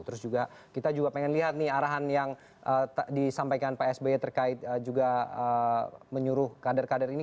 terus juga kita juga pengen lihat nih arahan yang disampaikan pak sby terkait juga menyuruh kader kader ini